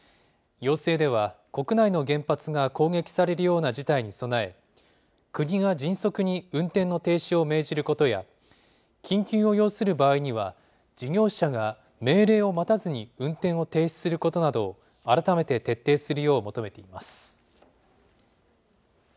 要請では、国内の原発が攻撃されるような事態に備え、国が迅速に運転の停止を命じることや、緊急を要する場合には、事業者が命令を待たずに運転を停止することなどを改めて徹底するよう求めています。